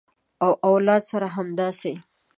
او اولاد سره همداسې